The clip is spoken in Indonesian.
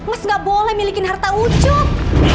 mas gak boleh milikin harta ucuk